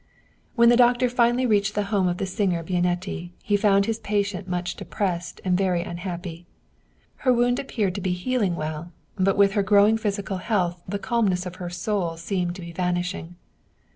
When the doctor finally reached the home of the singer Bianetti, he found his patient much depressed and very un happy. Her wound appeared to be healing well, but with her growing physical health the calmness of her soul seemed to be vanishing.